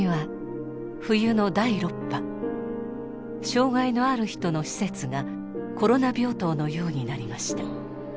障害のある人の施設がコロナ病棟のようになりました。